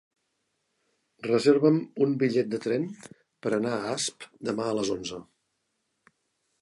Reserva'm un bitllet de tren per anar a Asp demà a les onze.